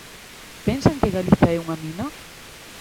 ¿Pensan que Galiza é unha mina?